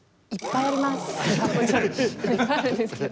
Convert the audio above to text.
いっぱいあるんですけど。